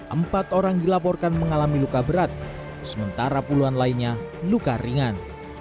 empat orang dilaporkan mengalami luka berat sementara puluhan lainnya luka ringan